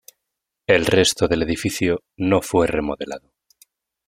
El resto del edificio no fue remodelado.